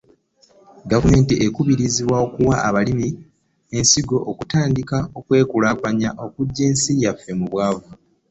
Gavumenti ekubirizibwa okuwa abalimi ensigo okutandiika okwekulakulanya okujja ensi yaffe mu bwavu.